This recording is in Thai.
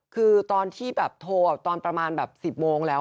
คือตอนที่แบบโทรตอนประมาณแบบ๑๐โมงแล้ว